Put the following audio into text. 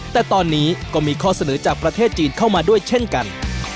แต่ตอนนี้ก็มีข้อเสนอจากประเทศจีนเข้ามาด้วยเช่นกัน